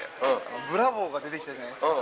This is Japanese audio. ブラボーが出てきたじゃないですか。